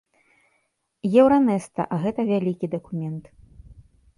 Еўранэста, а гэта вялікі дакумент.